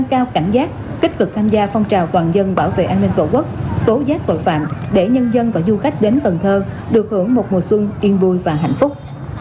cách cực tham gia phong trào toàn dân bảo vệ an ninh tổ quốc tố giác tội phạm để nhân dân và du khách đến cần thơ được hưởng một mùa xuân yên vui và hạnh phúc